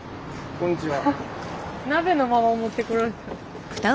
こんにちは。